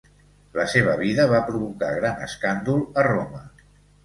La seva vida va provocar gran escàndol a Roma.